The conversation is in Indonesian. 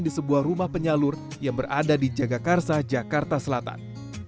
di sebuah rumah penyalur yang berada di jagakarsa jakarta selatan